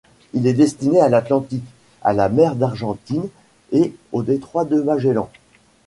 Il est destiné à l'Atlantique, à la mer d'Argentine et au détroit de Magellan.